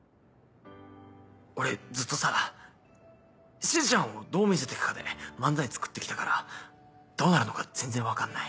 俺ずっとさしずちゃんをどう見せていくかで漫才作ってきたからどうなるのか全然分かんない。